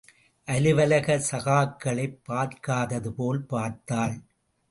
அலுவலக சகாக்களைப் பார்க்காததுபோல் பார்த்தாள்.